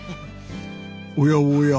おやおや。